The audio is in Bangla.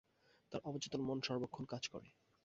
তার অবচেতন মন সর্বক্ষণ কাজ করে।